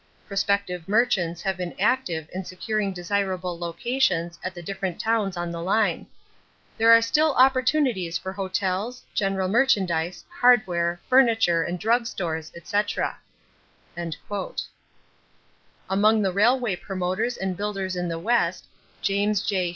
Prospective merchants have been active in securing desirable locations at the different towns on the line. There are still opportunities for hotels, general merchandise, hardware, furniture, and drug stores, etc." [Illustration: Copyright by Underwood and Underwood, N.Y. A TOWN ON THE PRAIRIE] Among the railway promoters and builders in the West, James J.